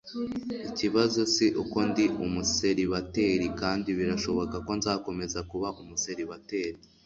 ikibazo si uko ndi umuseribateri kandi birashoboka ko nzakomeza kuba umuseribateri